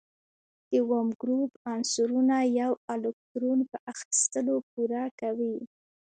د اووم ګروپ عنصرونه یو الکترون په اخیستلو پوره کوي.